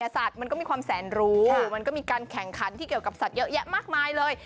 สัตว์มันก็มีความแสนรู้มันก็มีการแข่งขันที่เกี่ยวกับสัตว์เยอะแยะมากมายเลย